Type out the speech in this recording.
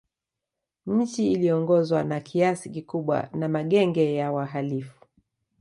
Nchi iliongozwa na kiasi kikubwa na magenge ya wahalifu